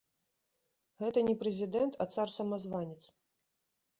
Гэта не прэзідэнт, а цар-самазванец!